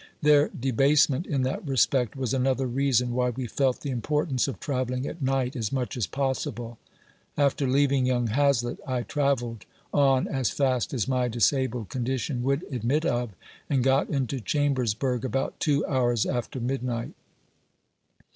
Their debasement in that respect was another reason why wo felt the importance of travelling at night, as much as possible. After leaving young Hazlett, I travelled on as fast as my disabled condition would admit of, and got into Chauibersburg about two hours after midnight.